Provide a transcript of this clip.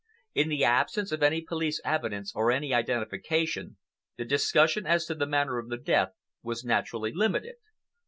In the absence of any police evidence or any identification, the discussion as to the manner of the death was naturally limited.